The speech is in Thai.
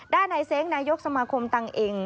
ด้านในเซ้งนายกสมาคมตังเอง